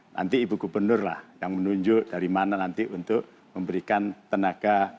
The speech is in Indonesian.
nanti ibu gubernur lah yang menunjuk dari mana nanti untuk memberikan tenaga